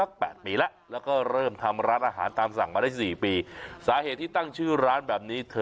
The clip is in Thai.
สัก๘ปีแล้วแล้วก็เริ่มทำ